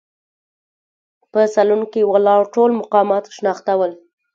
په سالون کې ولاړ ټول مقامات شناخته ول.